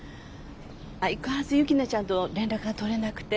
相変わらず雪菜ちゃんと連絡が取れなくて。